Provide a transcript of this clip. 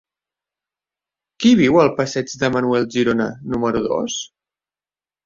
Qui viu al passeig de Manuel Girona número dos?